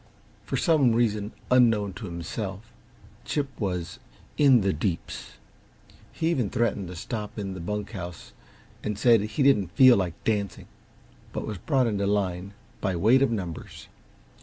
For some reason unknown to himself, Chip was "in the deeps." He even threatened to stop in the bunk house and said he didn't feel like dancing, but was brought into line by weight of numbers.